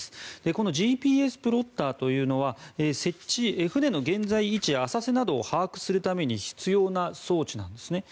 このＧＰＳプロッターというのは船の現在位置や浅瀬などを把握するために必要な装置なんですね。